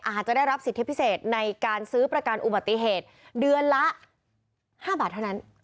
อาจจะได้รับสิทธิพิเศษในการซื้อประกันอุบัติเหตุเดือนละ๕บาทเท่านั้น